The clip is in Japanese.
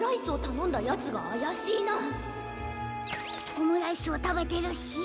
オムライスをたべてるし。